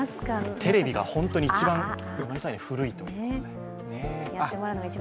テレビが本当に一番古いということで。